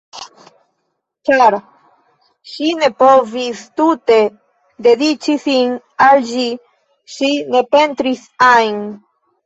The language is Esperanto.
Ĉar ŝi ne povis tute dediĉi sin al ĝi, ŝi ne pentris ajn.